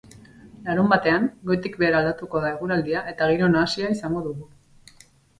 Larunbatean goitik behera aldatuko da eguraldia eta giro nahasia izango dugu.